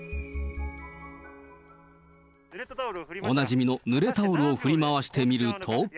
おなじみの濡れタオルを振り回してみると。